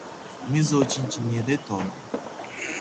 お水を一日二リットル飲む